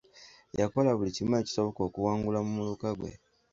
Yakola buli kimu ekisoboka okuwangula mu muluka ggwe.